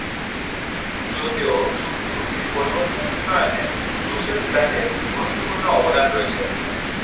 যদিও সুপ্ত শক্তির পরিবর্তন উন্নয়নে জোসেফ ব্ল্যাক এর গুরুত্বপূর্ণ অবদান রয়েছে।